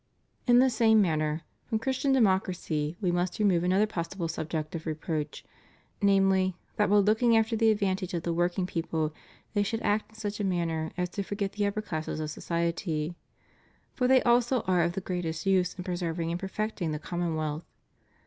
In the same manner, from Christian Democracy, We must remove another possible subject of reproach, namely: that while looking after the advantage of the working people they should act in such a manner as to forget the upper classes of society; for they also are of the greatest use in preserving and perfecting the commonwealth.